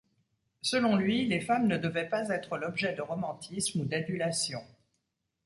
Selon lui, les femmes ne devaient pas être l'objet de romantisme ou d'adulation.